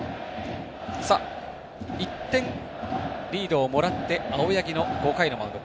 １点リードをもらって青柳の５回のマウンド。